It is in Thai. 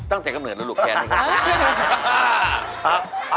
ตั้งแต่กำเนิดแล้วลูกแคนนะครับผม